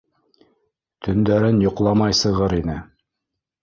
Төндәрен йоҡламай сығыр ине.